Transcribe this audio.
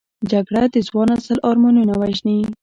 جګړه د ځوان نسل ارمانونه وژني